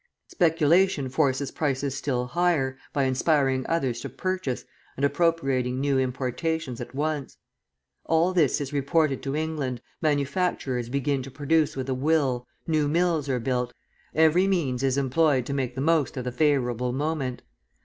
Speculation forces prices still higher, by inspiring others to purchase, and appropriating new importations at once. All this is reported to England, manufacturers begin to produce with a will, new mills are built, every means is employed to make the most of the favourable moment.